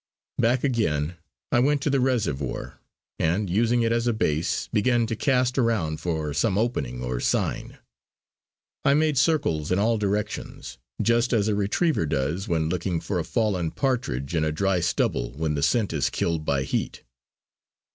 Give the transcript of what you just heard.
Back again I went to the reservoir, and, using it as a base, began to cast around for some opening or sign. I made circles in all directions, just as a retriever does when looking for a fallen partridge in a dry stubble when the scent is killed by heat.